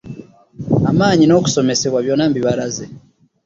Amaanyi n'okusoomoosebwa byonna mbibalaze.